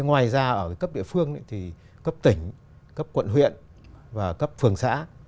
ngoài ra ở cấp địa phương thì cấp tỉnh cấp quận huyện và cấp phường xã